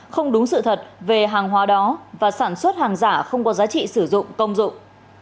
không đúng sự thật về hàng hóa đó và sản xuất hàng giả không có giá trị sử dụng công dụng